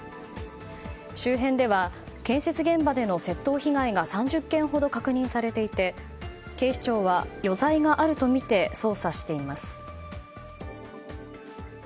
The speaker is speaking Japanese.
周辺では建設現場での窃盗被害が３０件ほど確認されていて警視庁は余罪があるとみて捜査しています。